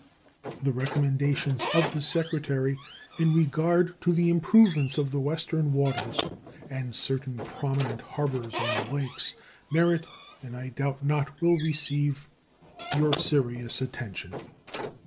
The recommendations of the Secretary in regard to the improvements of the Western waters and certain prominent harbors on the Lakes merit, and I doubt not will receive, your serious attention.